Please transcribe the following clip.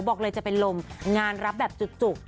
บอกเลยจะเป็นลมงานรับแบบจุก